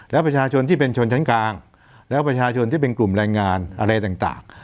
แล้วประชาชนที่เป็นชนชั้นกลางแล้วประชาชนที่เป็นกลุ่มแรงงานอะไรต่าง